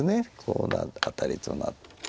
アタリとなって。